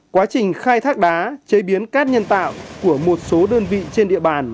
quá trình khai thác đá chế biến cát nhân tạo của một số đơn vị trên địa bàn